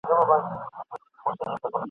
پر هغه لاره مي یون دی نازوه مي !.